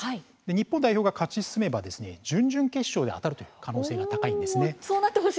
日本代表も、勝ち進めば準々決勝で当たるという可能性が高いんです。